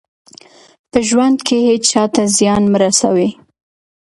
په ژوند کې هېڅ چا ته زیان مه رسوئ.